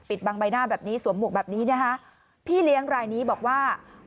บางใบหน้าแบบนี้สวมหมวกแบบนี้นะคะพี่เลี้ยงรายนี้บอกว่า